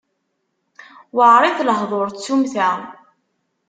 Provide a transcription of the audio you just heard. Weεrit lehdur n tsumta.